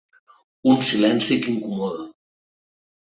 Un silenci que incomoda.